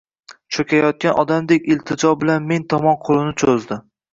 Cho`kayotgan odamdek iltijo bilan men tomon qo`lini cho`zdi